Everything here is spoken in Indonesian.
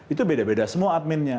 itu beda beda semua adminnya